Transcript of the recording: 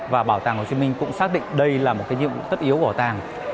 và bảo tàng hồ chí minh cũng xác định đây là một nhiệm vụ tất yếu của bảo tàng